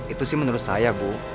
itu sih menurut saya bu